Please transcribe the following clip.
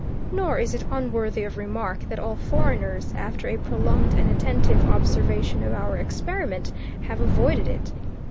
Nor is it unworthy of remark that all foreigners, after a prolonged and attentive observation of our experiment, have avoided it.